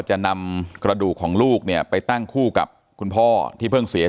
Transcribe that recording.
จะนำกระดูกของลูกเนี่ยไปตั้งคู่กับคุณพ่อที่เพิ่งเสียชีวิต